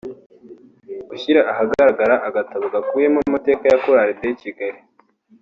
gushyira ahagaragara agatabo gakubiyemo amateka ya Chorale de Kigali